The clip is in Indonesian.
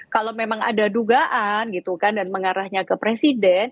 kalau memang ada dugaan gitu kan dan mengarahnya ke presiden